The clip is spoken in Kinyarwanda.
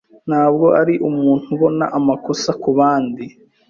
Ntabwo ari umuntu ubona amakosa ku bandi.